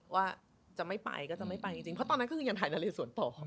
ว่าจะไม่ไปก็จะไม่ไปจริงเพราะตอนนั้นก็คือยังถ่ายนาเลสวนต่อ